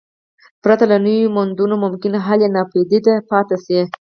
پرته له نویو موندنو ممکن حل یې ناپایده پاتې شي.